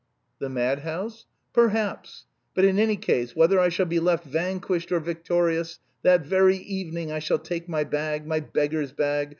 "The madhouse?" "Perhaps. But in any case, whether I shall be left vanquished or victorious, that very evening I shall take my bag, my beggar's bag.